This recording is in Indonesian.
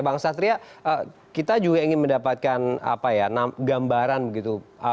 bang satria kita juga ingin mendapatkan gambaran begitu